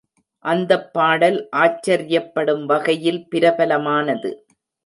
அந்தப் பாடல் ஆச்சர்யப்படும் வகையில் பிரபலமானது.